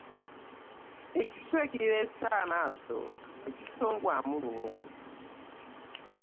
Ekiswa ekireese amaaso tekisongwamu lunwe.